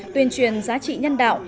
tuyên truyền giá trị nhân đạo